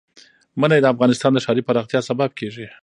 منی د افغانستان د ښاري پراختیا سبب کېږي.